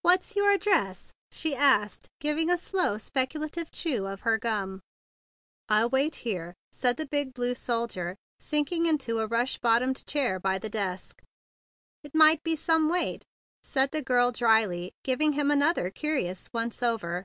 "What's your address?" she asked, giving a slow speculative chew to her gum. "I'll wait here," said the big blue soldier, sinking into a rush bottomed chair by the desk. THE BIG BLUE SOLDIER 103 "It might be some wait," said the girl dryly, giving him another curious "once over."